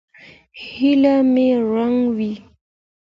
هیله مه ړنګوئ